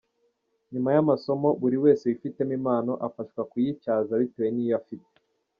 Nyuma y’amasomo, buri wese wifitemo impano afashwa kuyityaza bitewe n’iyo afite.